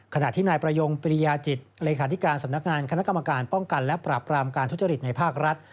ขณะที่นายประยงปริยาจิตเลขาธิการสำนักงานคณะกรรมการป้องกันและปราบรามการทุจริตในภาครัฐ